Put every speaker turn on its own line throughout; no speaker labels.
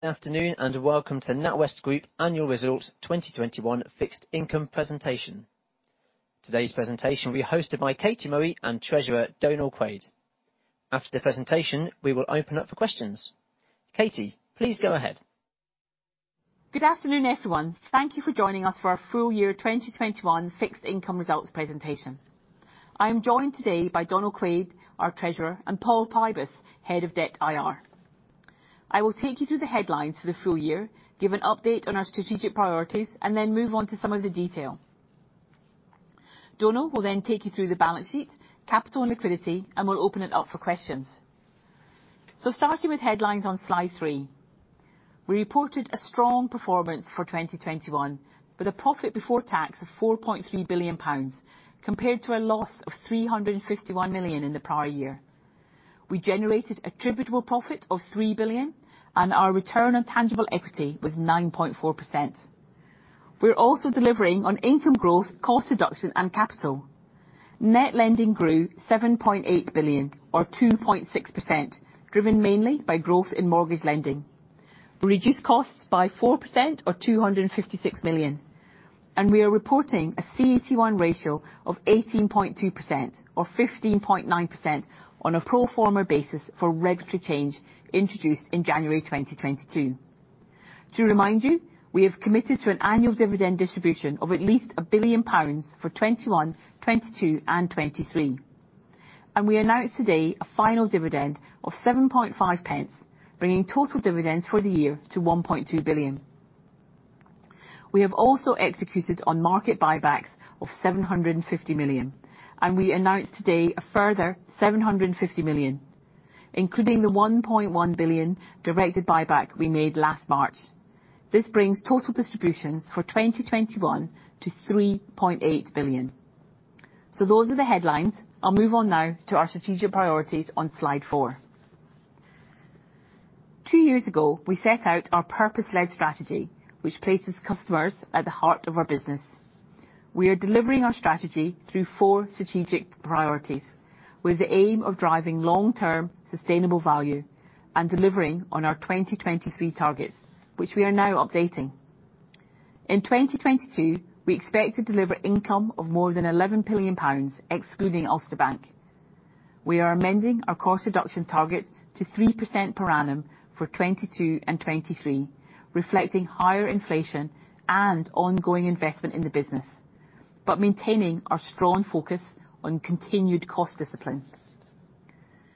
Afternoon, and welcome to NatWest Group Annual Results 2021 Fixed Income Presentation. Today's presentation will be hosted by Katie Murray and Treasurer Donal Quaid. After the presentation, we will open up for questions. Katie, please go ahead.
Good afternoon, everyone. Thank you for joining us for our full year 2021 Fixed Income Results presentation. I am joined today by Donal Quaid, our Treasurer, and Paul Pybus, Head of Debt IR. I will take you through the headlines for the full-year, give an update on our strategic priorities, and then move on to some of the detail. Donal will then take you through the balance sheet, capital and liquidity, and we'll open it up for questions. Starting with headlines on Slide 3. We reported a strong performance for 2021, with a profit before tax of 4.3 billion pounds compared to a loss of 351 million in the prior year. We generated attributable profit of 3 billion, and our return on tangible equity was 9.4%. We're also delivering on income growth, cost reduction, and capital. Net lending grew 7.8 billion or 2.6%, driven mainly by growth in mortgage lending. Reduced costs by 4% or 256 million. We are reporting a CET1 ratio of 18.2% or 15.9% on a pro forma basis for regulatory change introduced in January 2022. To remind you, we have committed to an annual dividend distribution of at least 1 billion pounds for 2021, 2022 and 2023. We announce today a final dividend of 7.5 pence, bringing total dividends for the year to GBP 1.2 billion. We have also executed on market buybacks of GBP 750 million, and we announce today a further GBP 750 million, including the GBP 1.1 billion directed buyback we made last March. This brings total distributions for 2021 to 3.8 billion. Those are the headlines. I'll move on now to our strategic priorities on Slide 4. Two years ago, we set out our purpose-led strategy, which places customers at the heart of our business. We are delivering our strategy through four strategic priorities, with the aim of driving long-term sustainable value and delivering on our 2023 targets, which we are now updating. In 2022, we expect to deliver income of more than 11 billion pounds, excluding Ulster Bank. We are amending our cost reduction target to 3% per annum for 2022 and 2023, reflecting higher inflation and ongoing investment in the business, but maintaining our strong focus on continued cost discipline.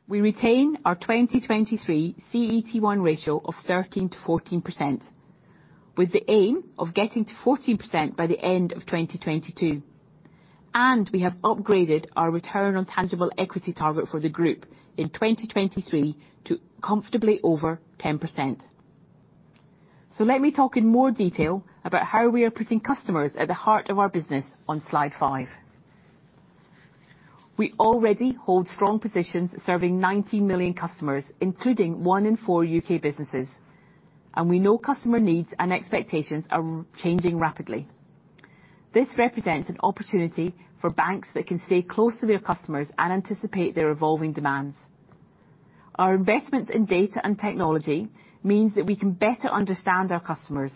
We retain our 2023 CET1 ratio of 13%-14%, with the aim of getting to 14% by the end of 2022. We have upgraded our return on tangible equity target for the group in 2023 to comfortably over 10%. Let me talk in more detail about how we are putting customers at the heart of our business on Slide 5. We already hold strong positions serving 19 million customers, including one in four U.K. businesses, and we know customer needs and expectations are changing rapidly. This represents an opportunity for banks that can stay close to their customers and anticipate their evolving demands. Our investments in data and technology means that we can better understand our customers,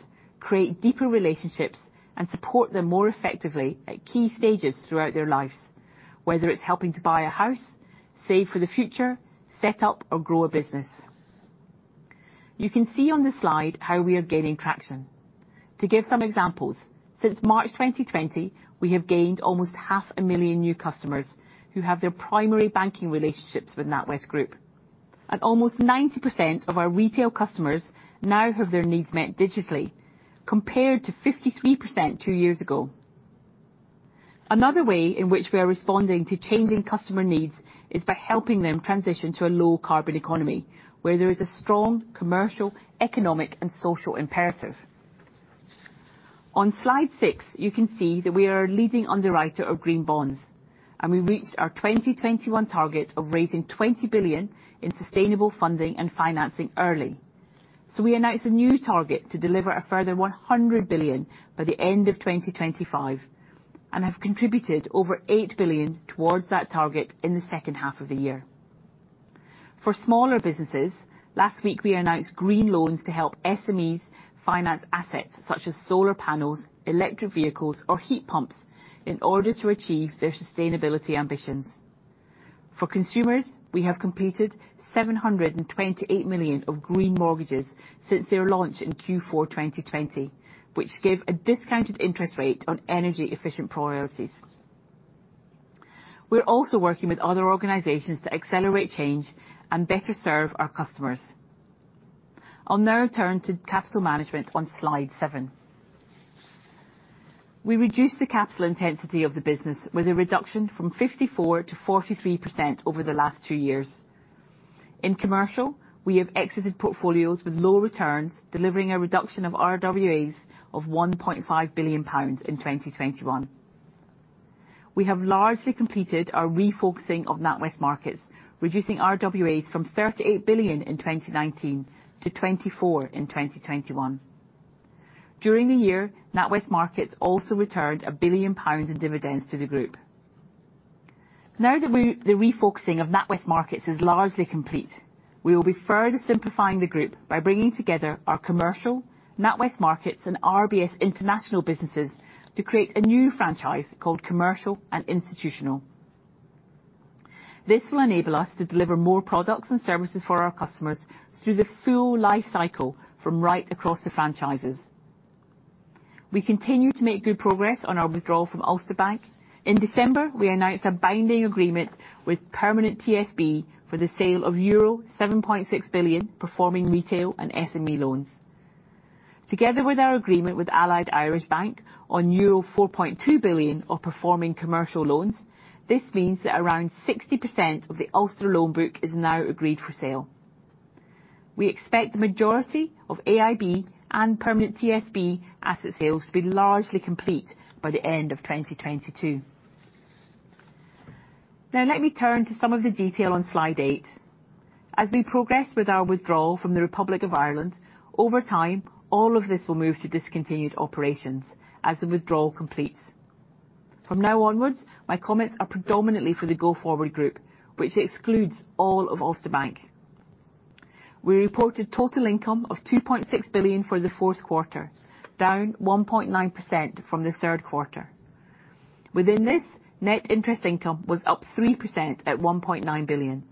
create deeper relationships, and support them more effectively at key stages throughout their lives, whether it's helping to buy a house, save for the future, set up or grow a business. You can see on this slide how we are gaining traction. To give some examples, since March 2020, we have gained almost 500,000 new customers who have their primary banking relationships with NatWest Group. Almost 90% of our retail customers now have their needs met digitally, compared to 53% two years ago. Another way in which we are responding to changing customer needs is by helping them transition to a low carbon economy where there is a strong commercial, economic and social imperative. On Slide 6, you can see that we are a leading underwriter of green bonds, and we reached our 2021 target of raising 20 billion in sustainable funding and financing early. We announced a new target to deliver a further 100 billion by the end of 2025, and have contributed over 8 billion towards that target in the second half of the year. For smaller businesses, last week we announced green loans to help SMEs finance assets such as solar panels, electric vehicles or heat pumps in order to achieve their sustainability ambitions. For consumers, we have completed 728 million of Green Mortgages since their launch in Q4 2020, which give a discounted interest rate on energy-efficient properties. We're also working with other organizations to accelerate change and better serve our customers. I'll now turn to capital management on Slide 7. We reduced the capital intensity of the business with a reduction from 54%-43% over the last two years. In commercial, we have exited portfolios with low returns, delivering a reduction of RWAs of 1.5 billion pounds in 2021. We have largely completed our refocusing of NatWest Markets, reducing RWAs from GBP 38 billion in 2019 to GBP 24 billion in 2021. During the year, NatWest Markets also returned 1 billion pounds in dividends to the group. Now that the refocusing of NatWest Markets is largely complete, we will be further simplifying the group by bringing together our commercial, NatWest Markets, and RBS International businesses to create a new franchise called Commercial and Institutional. This will enable us to deliver more products and services for our customers through the full life cycle from right across the franchises. We continue to make good progress on our withdrawal from Ulster Bank. In December, we announced a binding agreement with Permanent TSB for the sale of euro 7.6 billion performing retail and SME loans. Together with our agreement with Allied Irish Banks on euro 4.2 billion of performing commercial loans, this means that around 60% of the Ulster loan book is now agreed for sale. We expect the majority of AIB and Permanent TSB asset sales to be largely complete by the end of 2022. Now let me turn to some of the detail on Slide 8. As we progress with our withdrawal from the Republic of Ireland, over time, all of this will move to discontinued operations as the withdrawal completes. From now onwards, my comments are predominantly for the go-forward group, which excludes all of Ulster Bank. We reported total income of 2.6 billion for the fourth quarter, down 1.9% from the third quarter. Within this, net interest income was up 3% at 1.9 billion,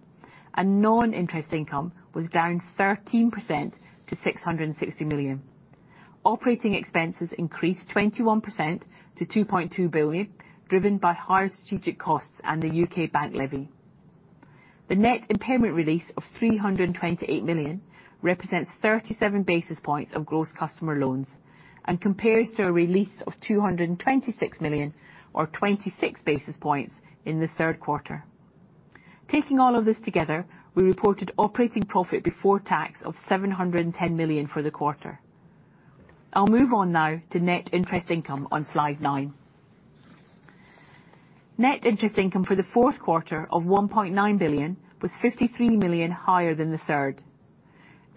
and non-interest income was down 13% to 660 million. Operating expenses increased 21% to 2.2 billion, driven by higher strategic costs and the U.K. bank levy. The net impairment release of 328 million represents 37 basis points of gross customer loans and compares to a release of 226 million, or 26 basis points in the third quarter. Taking all of this together, we reported operating profit before tax of 710 million for the quarter. I'll move on now to net interest income on Slide 9. Net interest income for the fourth quarter of 1.9 billion was 53 million higher than the third.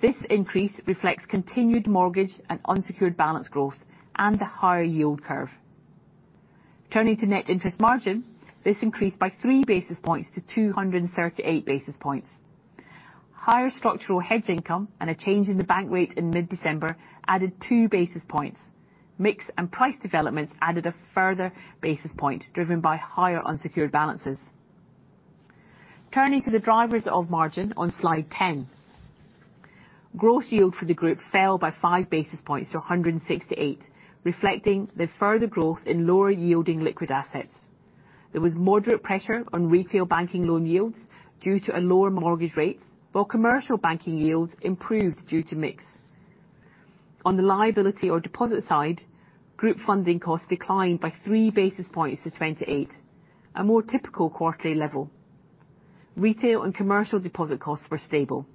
This increase reflects continued mortgage and unsecured balance growth and the higher yield curve. Turning to net interest margin, this increased by 3 basis points to 238 basis points. Higher structural hedge income and a change in the bank rate in mid-December added 2 basis points. Mix and price developments added a further basis point, driven by higher unsecured balances. Turning to the drivers of margin on Slide 10. Gross yield for the group fell by 5 basis points to 168, reflecting the further growth in lower-yielding liquid assets. There was moderate pressure on retail banking loan yields due to a lower mortgage rate, while commercial banking yields improved due to mix. On the liability or deposit side, group funding costs declined by 3 basis points to 28, a more typical quarterly level. Retail and Commercial deposit costs were stable.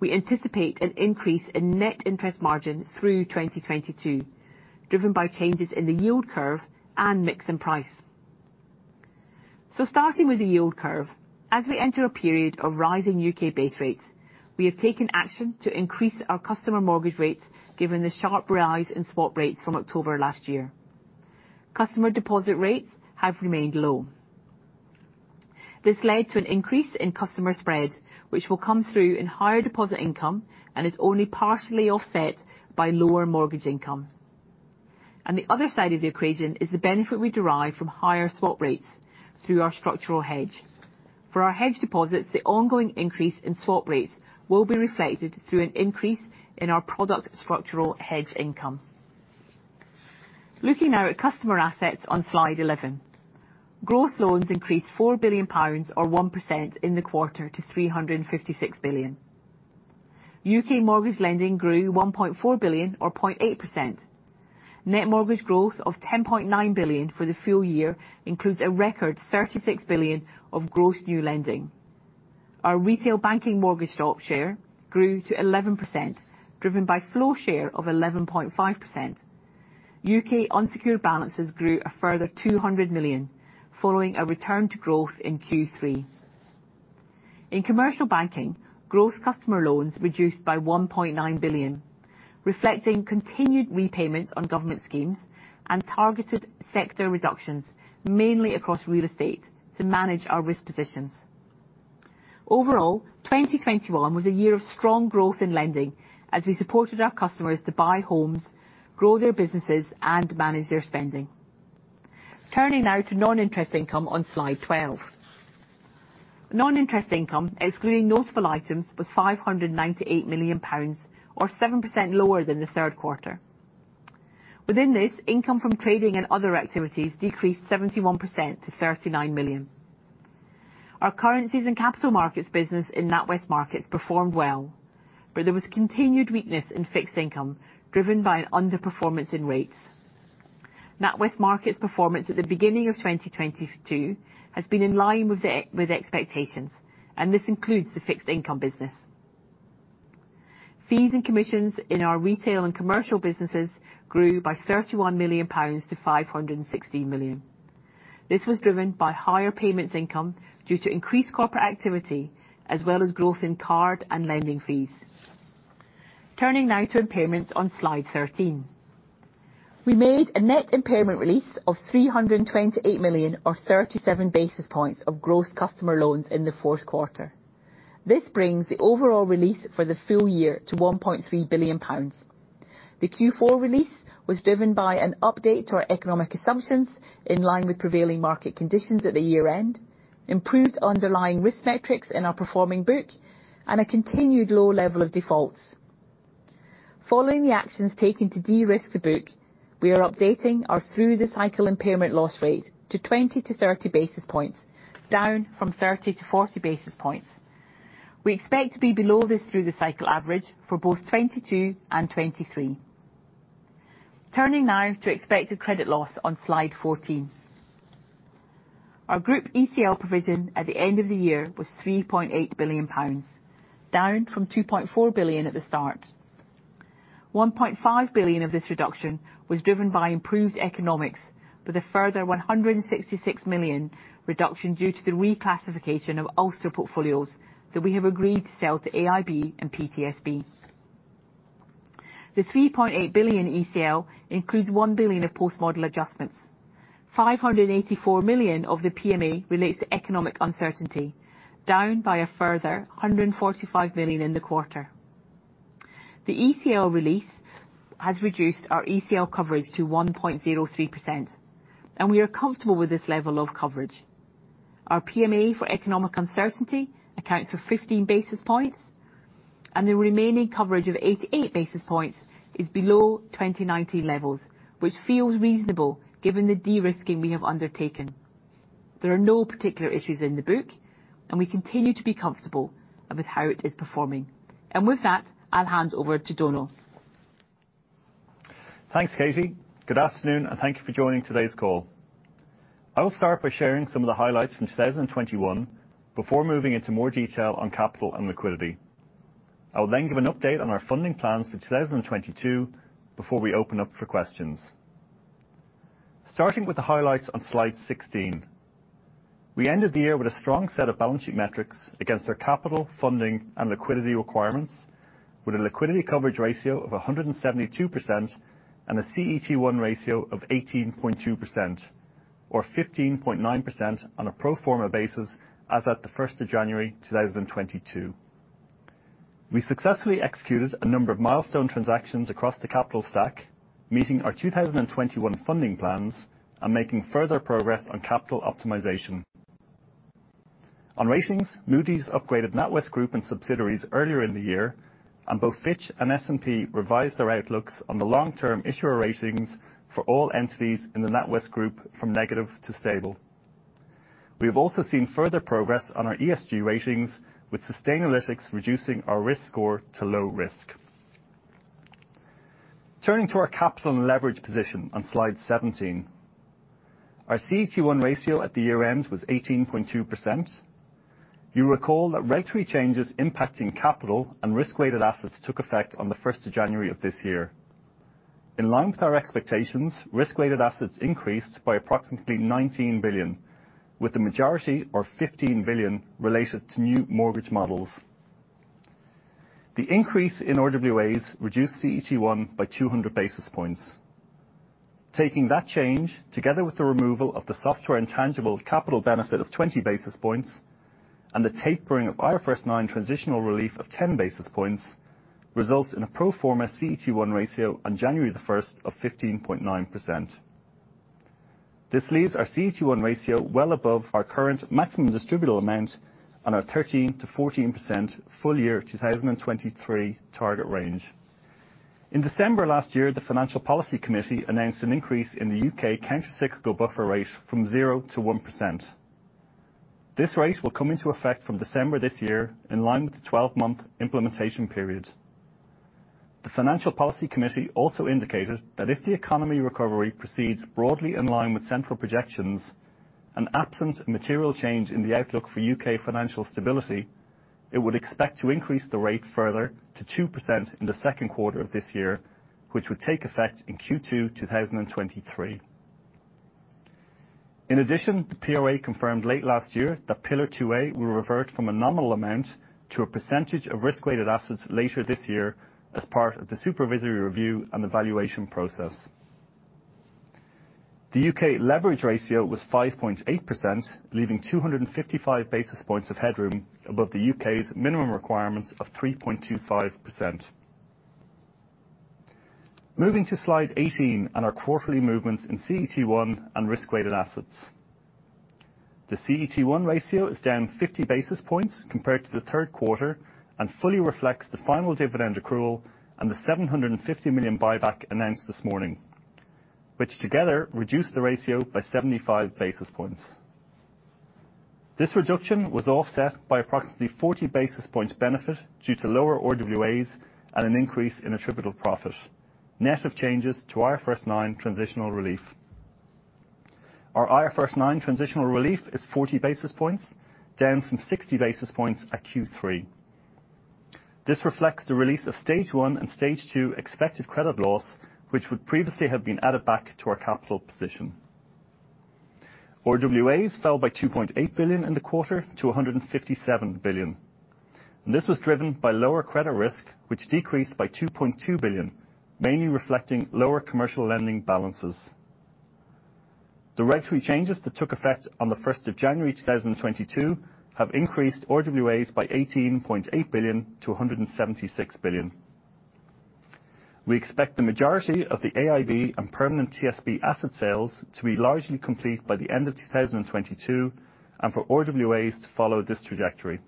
We anticipate an increase in net interest margin through 2022, driven by changes in the yield curve and mix and price. Starting with the yield curve, as we enter a period of rising U.K. base rates, we have taken action to increase our customer mortgage rates given the sharp rise in swap rates from October last year. Customer deposit rates have remained low. This led to an increase in customer spread, which will come through in higher deposit income and is only partially offset by lower mortgage income. On the other side of the equation is the benefit we derive from higher swap rates through our structural hedge. For our hedge deposits, the ongoing increase in swap rates will be reflected through an increase in our product structural hedge income. Looking now at customer assets on Slide 11. Gross loans increased 4 billion pounds, or 1% in the quarter to 356 billion. U.K. mortgage lending grew 1.4 billion or 0.8%. Net mortgage growth of 10.9 billion for the full year includes a record 36 billion of gross new lending. Our Retail Banking mortgage shop share grew to 11%, driven by flow share of 11.5%. U.K. unsecured balances grew a further 200 million, following a return to growth in Q3. In Commercial Banking, gross customer loans reduced by 1.9 billion, reflecting continued repayments on government schemes and targeted sector reductions, mainly across real estate, to manage our risk positions. Overall, 2021 was a year of strong growth in lending as we supported our customers to buy homes, grow their businesses, and manage their spending. Turning now to non-interest income on Slide 12. Non-interest income, excluding notable items, was 598 million pounds or 7% lower than the third quarter. Within this, income from trading and other activities decreased 71% to 39 million. Our Currencies & Capital Markets business in NatWest Markets performed well, but there was continued weakness in fixed income, driven by an underperformance in rates. NatWest Markets' performance at the beginning of 2022 has been in line with expectations, and this includes the Fixed Income business. Fees and commissions in our Retail and Commercial businesses grew by 31 million-560 million pounds. This was driven by higher payments income due to increased corporate activity as well as growth in card and lending fees. Turning now to Payments on Slide 13. We made a net impairment release of 328 million, or 37 basis points of gross customer loans in the fourth quarter. This brings the overall release for the full-year to 1.3 billion pounds. The Q4 release was driven by an update to our economic assumptions, in line with prevailing market conditions at the year-end, improved underlying risk metrics in our performing book, and a continued low level of defaults. Following the actions taken to de-risk the book, we are updating our through-the-cycle impairment loss rate to 20-30 basis points, down from 30-40 basis points. We expect to be below this through-the-cycle average for both 2022 and 2023. Turning now to expected credit loss on Slide 14. Our group ECL provision at the end of the year was 3.8 billion pounds, down from 2.4 billion at the start. 1.5 billion of this reduction was driven by improved economics, with a further 166 million reduction due to the reclassification of Ulster portfolios that we have agreed to sell to AIB and PTSB. The 3.8 billion ECL includes 1 billion of post-model adjustments. 584 million of the PMA relates to economic uncertainty, down by a further 145 million in the quarter. The ECL release has reduced our ECL coverage to 1.03%, and we are comfortable with this level of coverage. Our PMA for economic uncertainty accounts for 15 basis points, and the remaining coverage of 88 basis points is below 2019 levels, which feels reasonable given the de-risking we have undertaken. There are no particular issues in the book, and we continue to be comfortable with how it is performing. With that, I'll hand over to Donal.
Thanks, Katie. Good afternoon, and thank you for joining today's call. I will start by sharing some of the highlights from 2021 before moving into more detail on capital and liquidity. I will then give an update on our funding plans for 2022 before we open up for questions. Starting with the highlights on Slide 16, we ended the year with a strong set of balance sheet metrics against our capital funding and liquidity requirements, with a liquidity coverage ratio of 172% and a CET1 ratio of 18.2%, or 15.9% on a pro forma basis as at 1st January, 2022. We successfully executed a number of milestone transactions across the capital stack, meeting our 2021 funding plans and making further progress on capital optimization. On ratings, Moody's upgraded NatWest Group and subsidiaries earlier in the year, and both Fitch and S&P revised their outlooks on the long-term issuer ratings for all entities in the NatWest Group from negative to stable. We have also seen further progress on our ESG ratings, with Sustainalytics reducing our risk score to low risk. Turning to our capital and leverage position on Slide 17. Our CET1 ratio at the year-end was 18.2%. You recall that regulatory changes impacting capital and risk-weighted assets took effect on the 1st of January of this year. In line with our expectations, risk-weighted assets increased by approximately 19 billion, with the majority of 15 billion related to new mortgage models. The increase in RWAs reduced CET1 by 200 basis points. Taking that change, together with the removal of the software intangibles capital benefit of 20 basis points and the tapering of IFRS 9 transitional relief of 10 basis points, results in a pro forma CET1 ratio on January the 1st of 15.9%. This leaves our CET1 ratio well above our current maximum distributable amount on our 13%-14% full-year 2023 target range. In December last year, the Financial Policy Committee announced an increase in the U.K. countercyclical buffer rate from 0% to 1%. This rate will come into effect from December this year in line with the 12-month implementation period. The Financial Policy Committee also indicated that if the economy recovery proceeds broadly in line with central projections and absent material change in the outlook for U.K. financial stability, it would expect to increase the rate further to 2% in the second quarter of this year, which would take effect in Q2, 2023. In addition, the PRA confirmed late last year that Pillar 2A will revert from a nominal amount to a percentage of risk-weighted assets later this year as part of the supervisory review and evaluation process. The U.K. leverage ratio was 5.8%, leaving 255 basis points of headroom above the U.K.'s minimum requirements of 3.25%. Moving to Slide 18 and our quarterly movements in CET1 and risk-weighted assets. The CET1 ratio is down 50 basis points compared to the third quarter and fully reflects the final dividend accrual and the 750 million buyback announced this morning, which together reduced the ratio by 75 basis points. This reduction was offset by approximately 40 basis points benefit due to lower RWAs and an increase in attributable profit, net of changes to IFRS 9 transitional relief. Our IFRS 9 transitional relief is 40 basis points, down from 60 basis points at Q3. This reflects the release of stage one and stage two expected credit loss, which would previously have been added back to our capital position. RWAs fell by 2.8 billion in the quarter to 157 billion. This was driven by lower credit risk, which decreased by 2.2 billion, mainly reflecting lower commercial lending balances. The regulatory changes that took effect on the 1st of January, 2022 have increased RWAs by 18.8 billion-176 billion. We expect the majority of the AIB and Permanent TSB asset sales to be largely complete by the end of 2022, and for RWAs to follow this trajectory.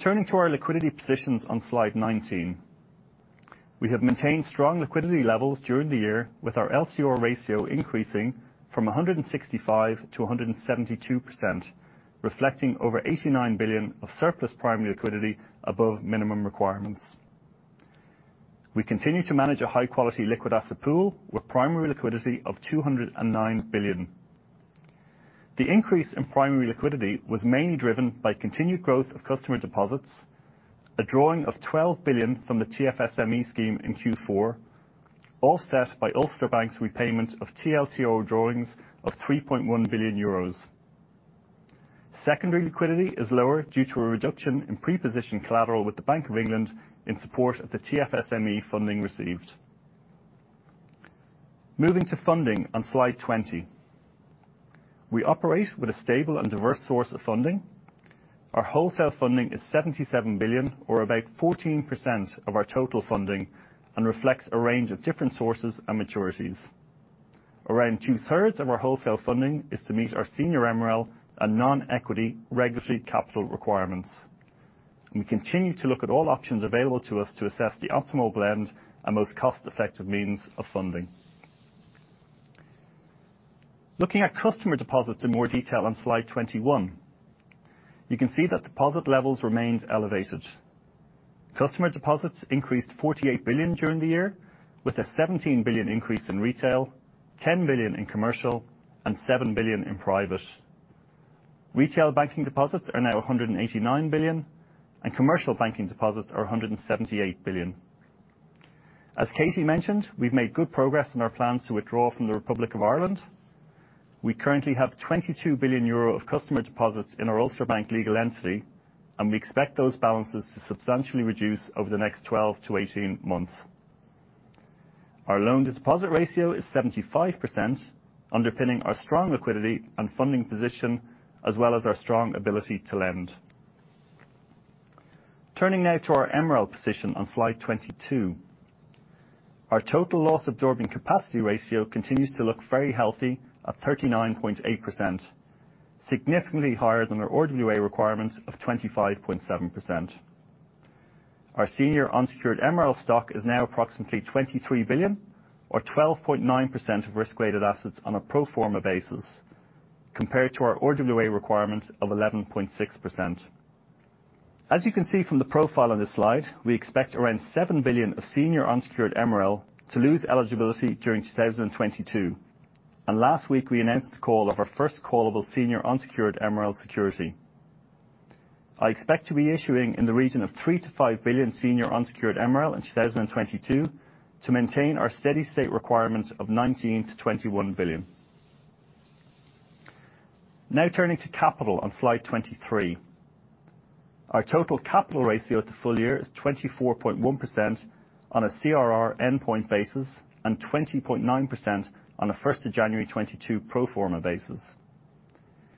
Turning to our liquidity positions on Slide 19. We have maintained strong liquidity levels during the year with our LCR ratio increasing from 165% to 172%, reflecting over 89 billion of surplus primary liquidity above minimum requirements. We continue to manage a high quality liquid asset pool with primary liquidity of 209 billion. The increase in primary liquidity was mainly driven by continued growth of customer deposits, a drawing of 12 billion from the TFSME scheme in Q4, offset by Ulster Bank's repayment of TLTRO drawings of 3.1 billion euros. Secondary liquidity is lower due to a reduction in pre-positioned collateral with the Bank of England in support of the TFSME funding received. Moving to Funding on Slide 20. We operate with a stable and diverse source of funding. Our wholesale funding is 77 billion or about 14% of our total funding and reflects a range of different sources and maturities. Around 2/3 of our wholesale funding is to meet our senior MREL and non-equity regulatory capital requirements. We continue to look at all options available to us to assess the optimal blend and most cost-effective means of funding. Looking at customer deposits in more detail on Slide 21, you can see that deposit levels remained elevated. Customer deposits increased 48 billion during the year with a 17 billion increase in retail, 10 billion in commercial and 7 billion in private. Retail Banking deposits are now 189 billion, and Commercial Banking deposits are 178 billion. As Katie mentioned, we've made good progress in our plans to withdraw from the Republic of Ireland. We currently have 22 billion euro of customer deposits in our Ulster Bank legal entity, and we expect those balances to substantially reduce over the next 12-18 months. Our loan to deposit ratio is 75%, underpinning our strong liquidity and funding position, as well as our strong ability to lend. Turning now to our MREL position on Slide 22. Our Total Loss-Absorbing Capacity ratio continues to look very healthy at 39.8%, significantly higher than our RWA requirement of 25.7%. Our senior unsecured MREL stock is now approximately 23 billion or 12.9% of Risk-Weighted Assets on a pro forma basis compared to our RWA requirement of 11.6%. As you can see from the profile on this slide, we expect around 7 billion of senior unsecured MREL to lose eligibility during 2022. Last week, we announced the call of our first callable senior unsecured MREL security. I expect to be issuing in the region of 3 billion-5 billion senior unsecured MREL in 2022 to maintain our steady state requirement of 19 billion-21 billion. Now turning to capital on Slide 23. Our total capital ratio at the full-year is 24.1% on a CRR endpoint basis and 20.9% on a 1st January, 2022 pro forma basis.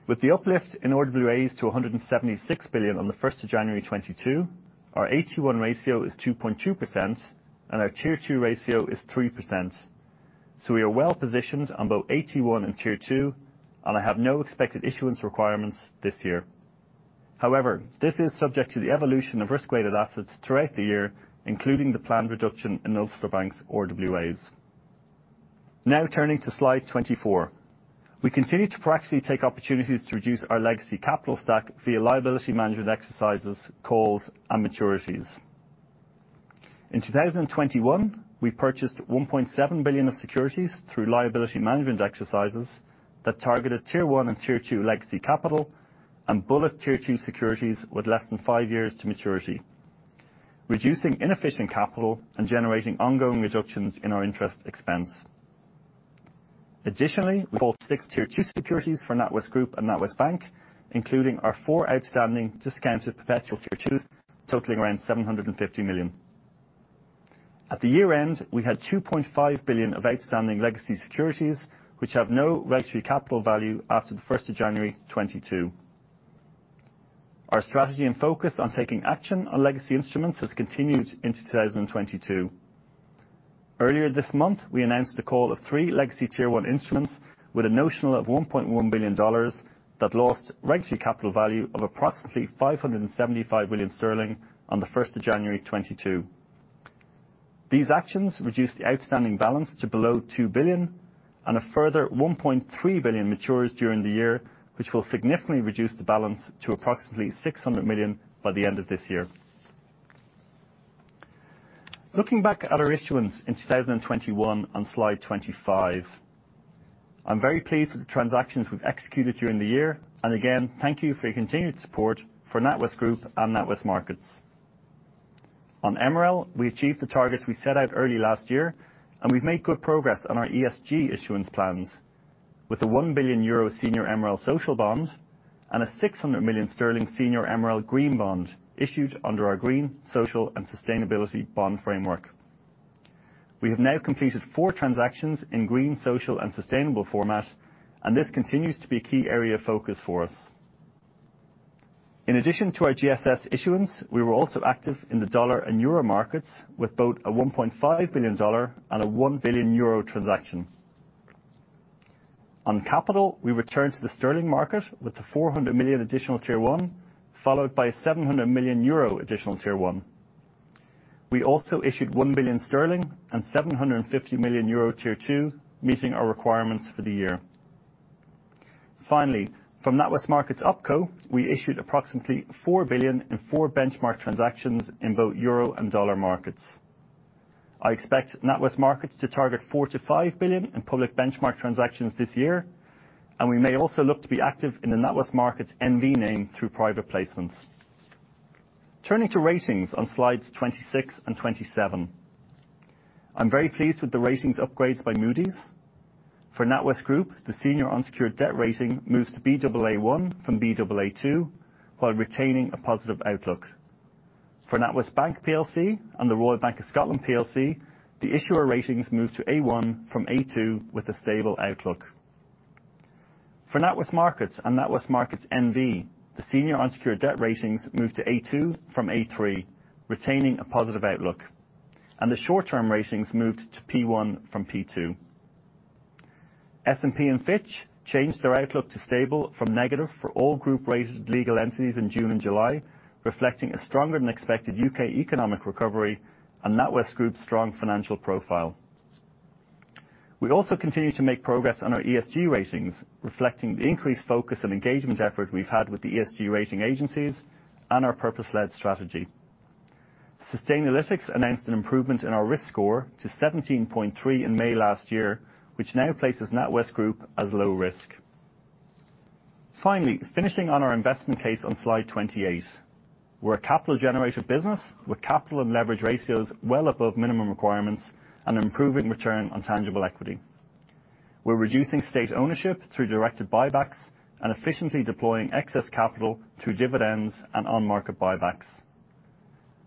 With the uplift in RWAs to 176 billion on 1st January, 2022, our AT1 ratio is 2.2% and our Tier 2 ratio is 3%. We are well positioned on both AT1 and Tier 2, and I have no expected issuance requirements this year. However, this is subject to the evolution of risk-weighted assets throughout the year, including the planned reduction in Ulster Bank's RWAs. Now turning to Slide 24. We continue to proactively take opportunities to reduce our legacy capital stack via liability management exercises, calls, and maturities. In 2021, we purchased 1.7 billion of securities through liability management exercises that targeted Tier 1 and Tier 2 legacy capital and bullet Tier 2 securities with less than five years to maturity, reducing inefficient capital and generating ongoing reductions in our interest expense. Additionally, we bought six Tier 2 securities for NatWest Group and NatWest Bank, including our four outstanding discounted perpetual Tier 2s, totaling around 750 million. At the year-end, we had 2.5 billion of outstanding legacy securities, which have no regulatory capital value after the 1st January, 2022. Our strategy and focus on taking action on legacy instruments has continued into 2022. Earlier this month, we announced the call of three legacy Tier 1 instruments with a notional of $1.1 billion that lost regulatory capital value of approximately 575 million sterling on the 1st of January, 2022. These actions reduced the outstanding balance to below $2 billion and a further $1.3 billion matures during the year, which will significantly reduce the balance to approximately $600 million by the end of this year. Looking back at our issuance in 2021 on Slide 25. I'm very pleased with the transactions we've executed during the year. Again, thank you for your continued support for NatWest Group and NatWest Markets. On MREL, we achieved the targets we set out early last year, and we've made good progress on our ESG issuance plans with a 1 billion euro senior MREL social bond and a 600 million sterling senior MREL green bond issued under our Green, Social and Sustainability Bond Framework. We have now completed four transactions in green, social, and sustainable format, and this continues to be a key area of focus for us. In addition to our GSS issuance, we were also active in the dollar and euro markets with both a $1.5 billion and a 1 billion euro transaction. On capital, we returned to the sterling market with the 400 million additional Tier 1, followed by 700 million euro additional Tier 1. We also issued 1 billion sterling and 750 million euro Tier 2, meeting our requirements for the year. Finally, from NatWest Markets OpCo, we issued approximately 4 billion in four benchmark transactions in both euro and dollar markets. I expect NatWest Markets to target 4 billion- 5 billion in public benchmark transactions this year, and we may also look to be active in the NatWest Markets N.V. name through private placements. Turning to ratings on Slides 26 and 27. I'm very pleased with the ratings upgrades by Moody's. For NatWest Group, the senior unsecured debt rating moves to Baa1 from Baa2 while retaining a positive outlook. For National Westminster Bank Plc and The Royal Bank of Scotland plc, the issuer ratings move to A1 from A2 with a stable outlook. For NatWest Markets and NatWest Markets N.V., the senior unsecured debt ratings move to A2 from A3, retaining a positive outlook. The short-term ratings moved to P1 from P2. S&P and Fitch changed their outlook to stable from negative for all group-rated legal entities in June and July, reflecting a stronger than expected U.K. economic recovery and NatWest Group's strong financial profile. We also continue to make progress on our ESG ratings, reflecting the increased focus and engagement effort we've had with the ESG rating agencies and our purpose-led strategy. Sustainalytics announced an improvement in our Risk Score to 17.3 in May last year, which now places NatWest Group as low risk. Finally, finishing on our investment case on Slide 28. We're a capital generation business with capital and leverage ratios well above minimum requirements and improving return on tangible equity. We're reducing state ownership through directed buybacks and efficiently deploying excess capital through dividends and on-market buybacks.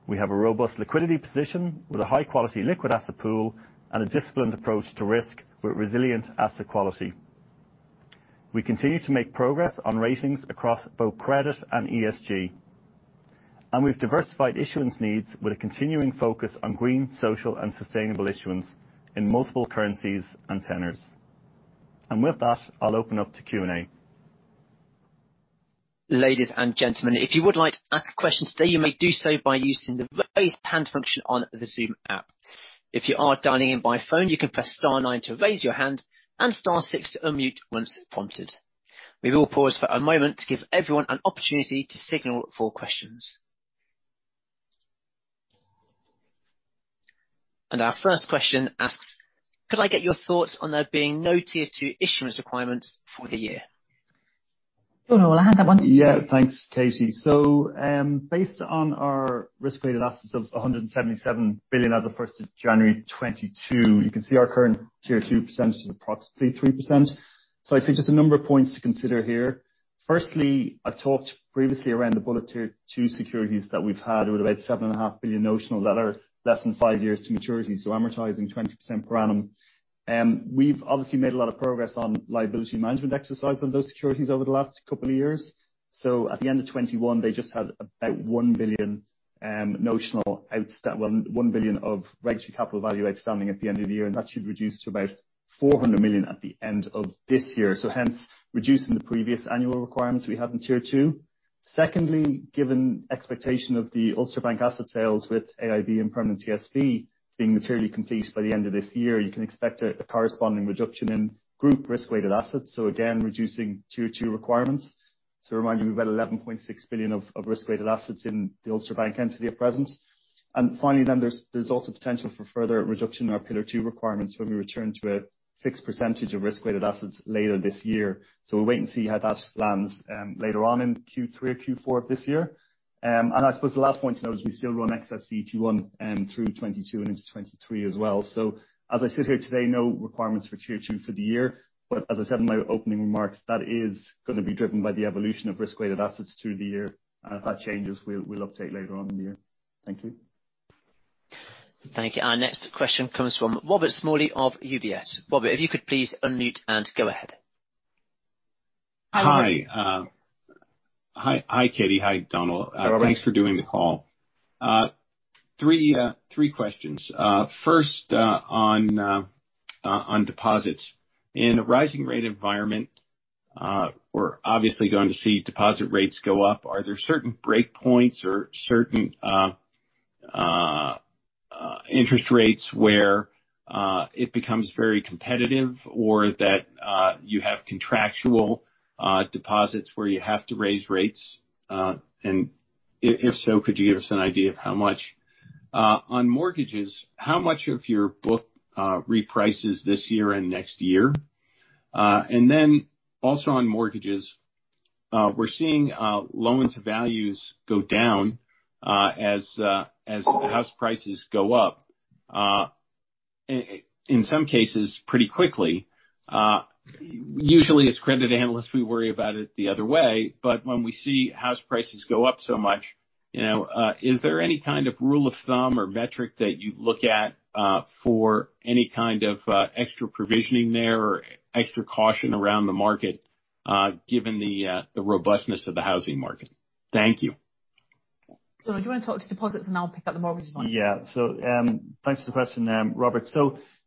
We have a robust liquidity position with a high-quality liquid asset pool and a disciplined approach to risk with resilient asset quality. We continue to make progress on ratings across both credit and ESG. We've diversified issuance needs with a continuing focus on green, social, and sustainable issuance in multiple currencies and tenors. With that, I'll open up to Q&A.
Ladies and gentlemen, if you would like to ask a question today, you may do so by using the raise hand function on the Zoom app. If you are dialing in by phone, you can press Star nine to raise your hand and Star six to unmute once prompted. We will pause for a moment to give everyone an opportunity to signal for questions. Our first question asks, Could I get your thoughts on there being no Tier 2 issuance requirements for the year?
Donal, I'll hand that one to you.
Yeah. Thanks, Katie. Based on our risk-weighted assets of 177 billion as of the 1st of January, 2022, you can see our current Tier 2 percentage is approximately 3%. I'd say just a number of points to consider here. Firstly, I talked previously around the bullet Tier 2 securities that we've had with about 7.5 billion notional that are less than five years to maturity, amortizing 20% per annum. We've obviously made a lot of progress on liability management exercise on those securities over the last couple of years. At the end of 2021, they just had about 1 billion of regulatory capital value outstanding at the end of the year. That should reduce to about 400 million at the end of this year. Hence reducing the previous annual requirements we have in Tier 2. Secondly, given expectation of the Ulster Bank asset sales with AIB and Permanent TSB being materially completed by the end of this year, you can expect a corresponding reduction in group risk-weighted assets, so again, reducing Tier 2 requirements. Remind you, we've had 11.6 billion of risk-weighted assets in the Ulster Bank entity at present. Finally, there's also potential for further reduction in our Pillar 2 requirements when we return to a fixed percentage of risk-weighted assets later this year. We'll wait and see how that lands later on in Q3 or Q4 of this year. I suppose the last point to note is we still run excess CET1 through 2022 and into 2023 as well. As I sit here today, no requirements for Tier 2 for the year, but as I said in my opening remarks, that is gonna be driven by the evolution of risk-weighted assets through the year. If that changes, we'll update later on in the year. Thank you.
Thank you. Our next question comes from Robert Smalley of UBS. Robert, if you could please unmute and go ahead.
Hi. Hi, Katie. Hi, Donal.
Hi, Robert.
Thanks for doing the call. Three questions. First, on deposits. In a rising rate environment, we're obviously going to see deposit rates go up. Are there certain breakpoints or certain interest rates where it becomes very competitive or that you have contractual deposits where you have to raise rates? If so, could you give us an idea of how much? On mortgages, how much of your book reprices this year and next year? Also on mortgages. We're seeing loan-to-values go down as house prices go up. In some cases pretty quickly. Usually as credit analysts, we worry about it the other way, but when we see house prices go up so much, you know, is there any kind of rule of thumb or metric that you look at for any kind of extra provisioning there or extra caution around the market given the robustness of the housing market? Thank you.
Laura, do you want to talk to deposits and I'll pick up the mortgage one?
Yeah. Thanks for the question, Robert.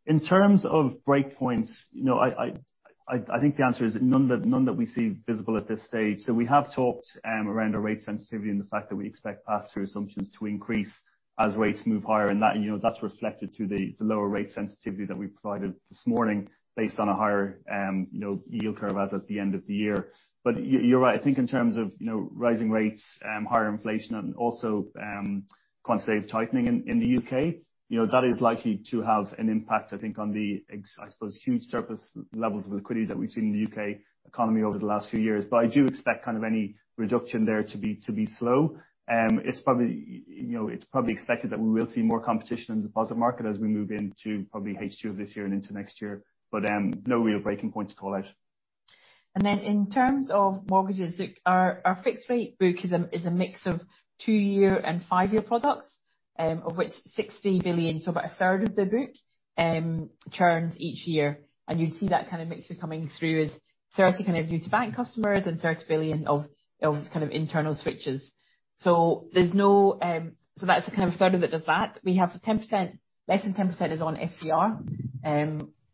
In terms of breakpoints, you know, I think the answer is none that we see visible at this stage. We have talked around our rate sensitivity and the fact that we expect pass-through assumptions to increase as rates move higher. That, you know, that's reflected in the lower rate sensitivity that we provided this morning based on a higher yield curve as at the end of the year. You're right. I think in terms of, you know, rising rates, higher inflation and also, quantitative tightening in the U.K., you know, that is likely to have an impact, I think, on the, I suppose, huge surplus levels of liquidity that we've seen in the U.K. economy over the last few years. I do expect kind of any reduction there to be slow. It's probably, you know, expected that we will see more competition in the deposit market as we move into probably H2 of this year and into next year. No real breaking point to call out.
In terms of mortgages, look, our fixed rate book is a mix of two-year and five-year products, of which 60 billion, so about a third of the book, churns each year. You'd see that kind of mixture coming through as 30 billion kind of new to bank customers and 30 billion of kind of internal switches. That's the kind of third of it does that. We have 10%, less than 10% is on SVR.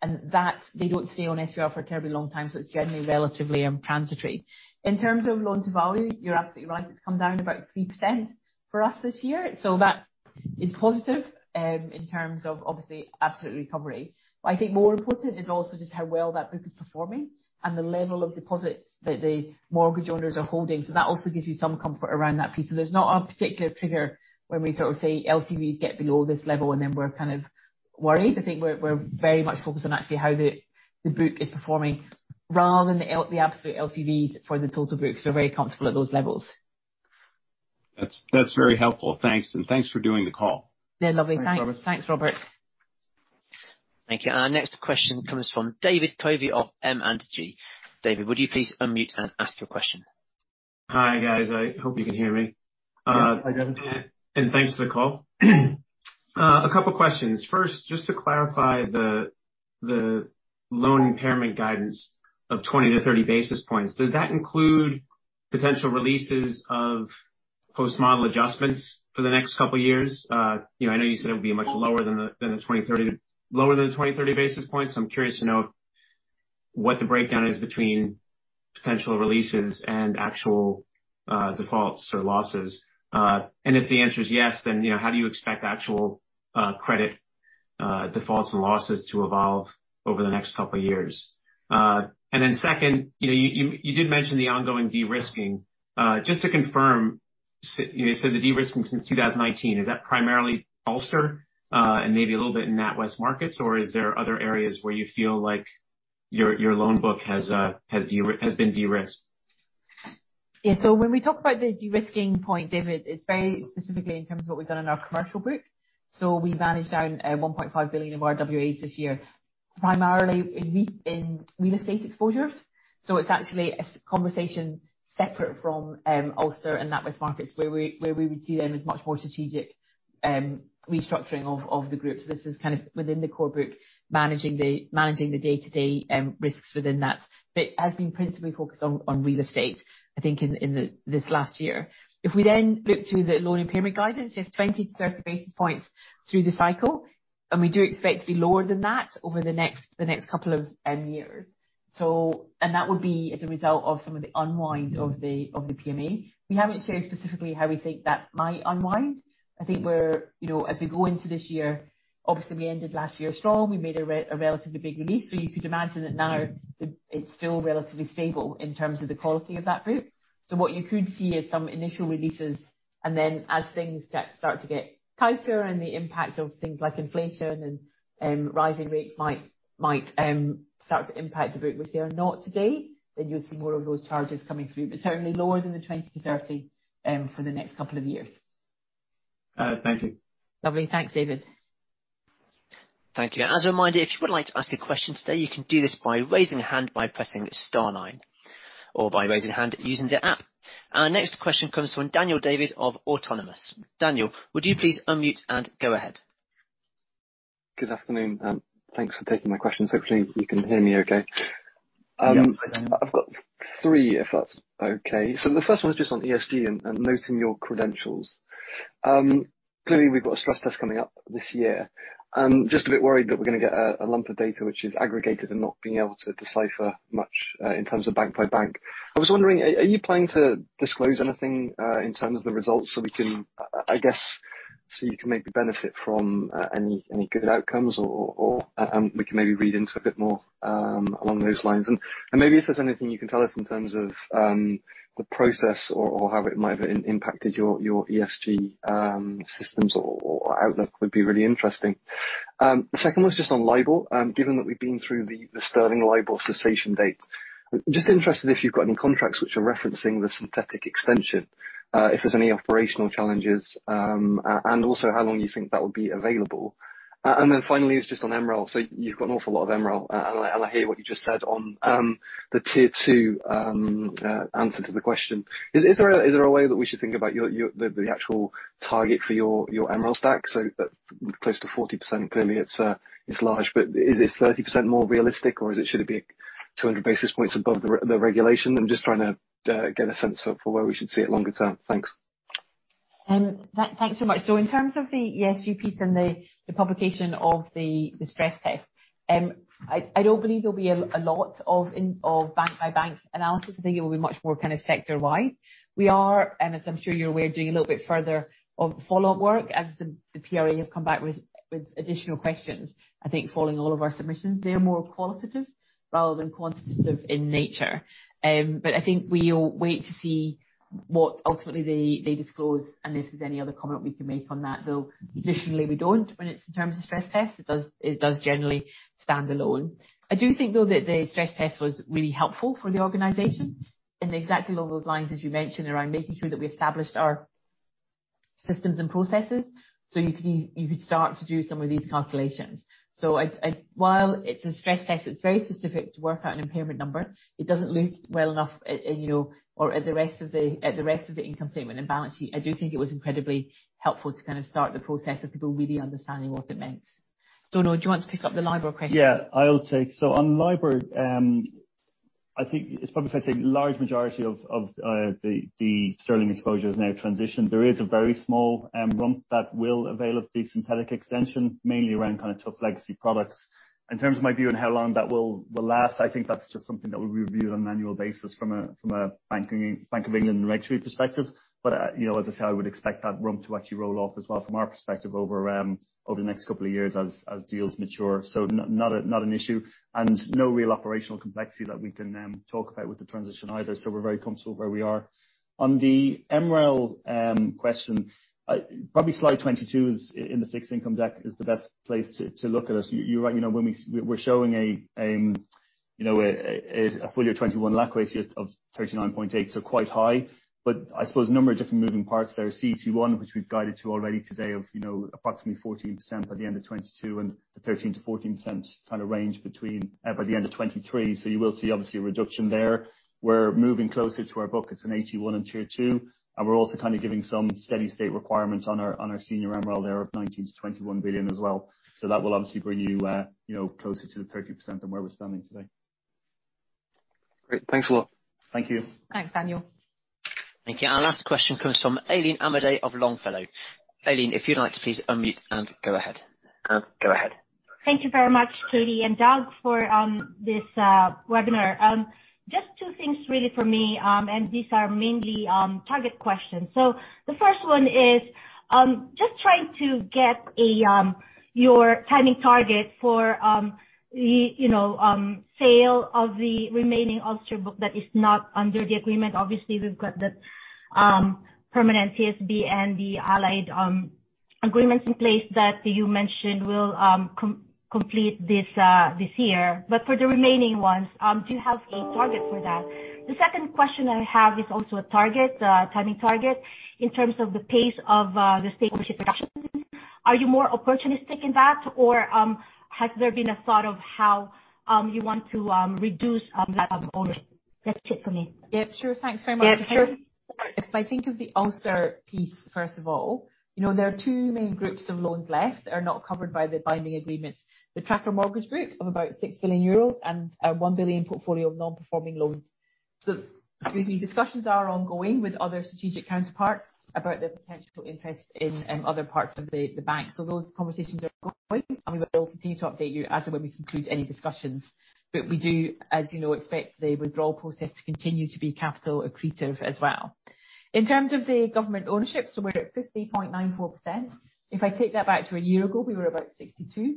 And that, they don't stay on SVR for a terribly long time, so it's generally relatively transitory. In terms of loan-to-value, you're absolutely right. It's come down about 3% for us this year. That is positive in terms of obviously absolute recovery. I think more important is also just how well that book is performing and the level of deposits that the mortgage owners are holding. That also gives you some comfort around that piece. There's not a particular trigger when we sort of say LTVs get below this level and then we're kind of worried. I think we're very much focused on actually how the book is performing rather than the absolute LTV for the total book. We're very comfortable at those levels.
That's very helpful. Thanks. Thanks for doing the call.
Yeah. Lovely. Thanks.
Thanks, Robert.
Thanks, Robert.
Thank you. Our next question comes from David Covey of M&G. David, would you please unmute and ask your question?
Hi, guys. I hope you can hear me.
Yeah. Hi, David.
Thanks for the call. A couple questions. First, just to clarify the loan impairment guidance of 20-30 basis points, does that include potential releases of post-model adjustments for the next couple of years? You know, I know you said it would be much lower than the 20-30 basis points. I'm curious to know what the breakdown is between potential releases and actual defaults or losses. And if the answer is yes, then, you know, how do you expect actual credit defaults and losses to evolve over the next couple of years? And then second, you know, you did mention the ongoing de-risking. Just to confirm, you said the de-risking since 2018, is that primarily Ulster and maybe a little bit in NatWest Markets? is there other areas where you feel like your loan book has been de-risked?
Yeah. When we talk about the de-risking point, David, it's very specifically in terms of what we've done in our commercial book. We managed down 1.5 billion of our RWAs this year, primarily in real estate exposures. It's actually a conversation separate from Ulster and NatWest Markets, where we would see them as much more strategic restructuring of the group. This is kind of within the core book, managing the day-to-day risks within that, but has been principally focused on real estate, I think, in this last year. If we then look to the loan impairment guidance, yes, 20-30 basis points through the cycle, and we do expect to be lower than that over the next couple of years. That would be as a result of some of the unwind of the PMA. We haven't said specifically how we think that might unwind. I think we're as we go into this year, obviously we ended last year strong. We made a relatively big release. You could imagine that now it's still relatively stable in terms of the quality of that group. What you could see is some initial releases, and then as things start to get tighter and the impact of things like inflation and rising rates might start to impact the group, which they are not today, then you'll see more of those charges coming through. Certainly lower than the 20-30 for the next couple of years.
Thank you.
Lovely. Thanks, David.
Thank you. As a reminder, if you would like to ask a question today, you can do this by raising a hand by pressing Star nine or by raising a hand using the app. Our next question comes from Daniel David of Autonomous. Daniel, would you please unmute and go ahead.
Good afternoon. Thanks for taking my questions. Hopefully you can hear me okay.
Yeah.
I've got three, if that's okay. So the first one is just on ESG and noting your credentials. Clearly we've got a stress test coming up this year. Just a bit worried that we're gonna get a lump of data which is aggregated and not being able to decipher much in terms of bank by bank. I was wondering, are you planning to disclose anything in terms of the results so we can, I guess, so you can maybe benefit from any good outcomes or we can maybe read into a bit more along those lines? Maybe if there's anything you can tell us in terms of the process or how it might have impacted your ESG systems or outlook would be really interesting. The second one's just on LIBOR. Given that we've been through the sterling LIBOR cessation date, I'm just interested if you've got any contracts which are referencing the synthetic extension, if there's any operational challenges, and also how long you think that will be available. Then finally is just on MREL. So you've got an awful lot of MREL, and I hear what you just said on the Tier 2 answer to the question. Is there a way that we should think about the actual target for your MREL stack? So close to 40%, clearly it's large, but is this 30% more realistic or should it be 200 basis points above the regulation? I'm just trying to get a sense for where we should see it longer term. Thanks.
Thanks so much. In terms of the EBA piece and the publication of the stress test, I don't believe there'll be a lot of bank by bank analysis. I think it will be much more kind of sector-wide. We are, and as I'm sure you're aware, doing a little bit further of follow-up work as the PRA have come back with additional questions, I think, following all of our submissions. They're more qualitative rather than quantitative in nature. I think we'll wait to see what ultimately they disclose, unless there's any other comment we can make on that, though traditionally we don't when it's in terms of stress tests. It does generally stand alone. I do think, though, that the stress test was really helpful for the organization in exactly along those lines, as you mentioned, around making sure that we established our systems and processes. You could start to do some of these calculations. While it's a stress test, it's very specific to work out an impairment number. It doesn't look well enough into or at the rest of the income statement and balance sheet. I do think it was incredibly helpful to kind of start the process of people really understanding what it meant. Donal, do you want to pick up the LIBOR question?
Yeah, I'll take. On LIBOR, I think it's probably fair to say large majority of the sterling exposure is now transitioned. There is a very small rump that will avail of the synthetic extension, mainly around kind of tough legacy products. In terms of my view on how long that will last, I think that's just something that we review on an annual basis from a Bank of England regulatory perspective. You know, as I say, I would expect that rump to actually roll off as well from our perspective over the next couple of years as deals mature. Not an issue and no real operational complexity that we can talk about with the transition either. We're very comfortable where we are. On the MREL question, I... Probably Slide 22 in the fixed income deck is the best place to look at it. You're right. You know, when we're showing a full-year 2021 TLAC ratio of 39.8%, so quite high. I suppose a number of different moving parts there. CET1, which we've guided to already today of approximately 14% by the end of 2022 and the 13%-14% kind of range between by the end of 2023. You will see obviously a reduction there. We're moving closer to our book. It's in AT1 and Tier 2, and we're also kind of giving some steady state requirements on our senior MREL there of 19 billion-21 billion as well. that will obviously bring you know, closer to the 30% than where we're standing today.
Great. Thanks a lot.
Thank you.
Thanks, Daniel.
Thank you. Our last question comes from Aileen Barbiellini Amidei of Longfellow. Aileen, if you'd like to please unmute and go ahead.
Thank you very much, Katie and Donal, for this webinar. Just two things really for me, and these are mainly target questions. The first one is just trying to get your timing target for the, you know, sale of the remaining Ulster book that is not under the agreement. Obviously, we've got the Permanent TSB and the Allied agreements in place that you mentioned will complete this year. For the remaining ones, do you have a target for that? The second question I have is also a target, a timing target, in terms of the pace of the stake ownership reduction. Are you more opportunistic in that, or has there been a thought of how you want to reduce UKGI ownership? That's it for me.
Yeah, sure. Thanks very much, Aileen.
Yeah, sure.
If I think of the Ulster piece, first of all, you know, there are two main groups of loans left that are not covered by the binding agreement. The tracker mortgage group of about 6 billion euros and a 1 billion portfolio of non-performing loans. Excuse me. Discussions are ongoing with other strategic counterparties about the potential interest in other parts of the bank. Those conversations are ongoing, and we will continue to update you as and when we conclude any discussions. We do, as you know, expect the withdrawal process to continue to be capital accretive as well. In terms of the government ownership, we're at 50.94%. If I take that back to a year ago, we were about 62.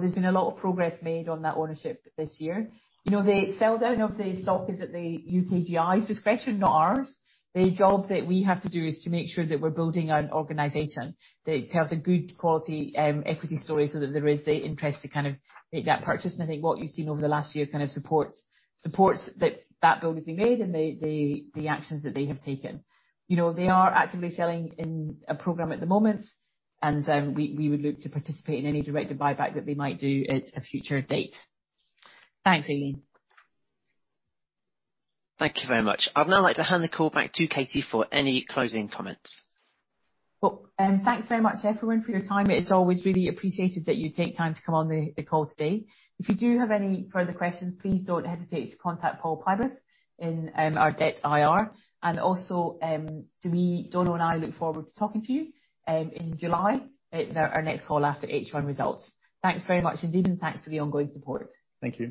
There's been a lot of progress made on that ownership this year. You know, the sell-down of the stock is at the UKGI's discretion, not ours. The job that we have to do is to make sure that we're building an organization that tells a good quality equity story so that there is the interest to kind of make that purchase. I think what you've seen over the last year kind of supports that build has been made and the actions that they have taken. You know, they are actively selling in a program at the moment, and we would look to participate in any directed buyback that they might do at a future date. Thanks, Aileen.
Thank you very much. I'd now like to hand the call back to Katie for any closing comments.
Well, thanks very much everyone for your time. It is always really appreciated that you take time to come on the call today. If you do have any further questions, please don't hesitate to contact Paul Pybus in our Debt IR and also to me. Donal Quaid and I look forward to talking to you in July at our next call after H1 results. Thanks very much indeed, and thanks for the ongoing support.
Thank you.